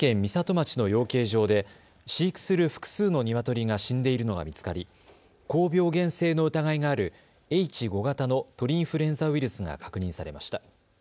町の養鶏場で飼育する複数のニワトリが死んでいるのが見つかり高病原性の疑いがあるＨ５型の鳥インフルエンザウイルスが確認されました。